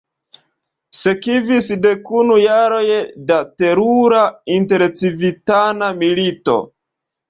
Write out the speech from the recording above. Sekvis dekunu jaroj da terura intercivitana milito.